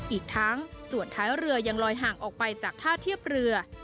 อีกทั้งส่วนท้ายเรือยังลอยห่างออกไปจากท่าเทียบเรือ